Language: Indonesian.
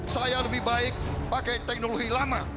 saya lebih baik pakai teknologi lama